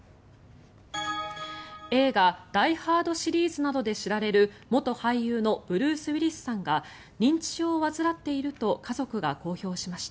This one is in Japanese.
映画「ダイ・ハード」シリーズなどで知られる元俳優のブルース・ウィリスさんが認知症を患っていると家族が公表しました。